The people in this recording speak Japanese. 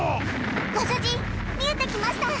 ご主人見えてきました！